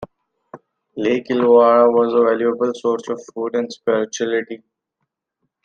Lake Illawarra was a valuable source of food and spirituality.